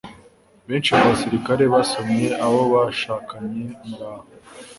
benshi mu basirikare basomye abo bashakanye muraho